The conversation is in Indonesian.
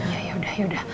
ya yaudah yaudah